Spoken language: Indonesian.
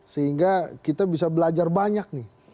sehingga kita bisa belajar banyak nih